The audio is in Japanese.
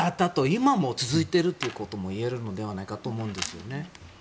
今も続いているということもいえると思うんですよね。